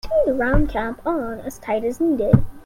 Screw the round cap on as tight as needed.